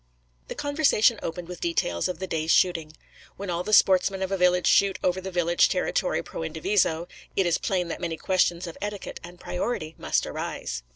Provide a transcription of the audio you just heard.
The conversation opened with details of the day's shooting. When all the sportsmen of a village shoot over the village territory pro indiviso, it is plain that many questions of etiquette and priority must arise.